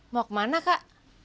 mau kemana kak